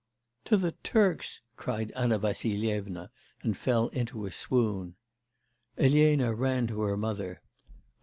'To the Turks!' cried Anna Vassilyevna and fell into a swoon. Elena ran to her mother.